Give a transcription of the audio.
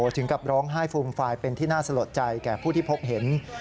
ถึงกับร้องไห้ฟูมฟายเป็นที่น่าสลดใจแก่ผู้ที่พบเห็น